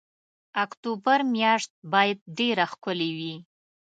اکتوبر میاشت باید ډېره ښکلې وي.